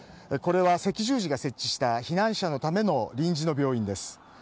これは赤十字が設置した避難者のための臨時の病院です。